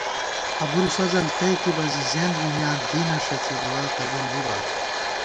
ابُوالفضل تئیتِبہ زی زیَنت بی مِیاں دینہ ݭڅی دُعابی قبُول بِبا